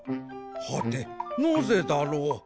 はてなぜだろう？